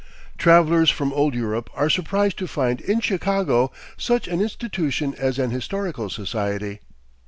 Travelers from old Europe are surprised to find in Chicago such an institution as an Historical Society.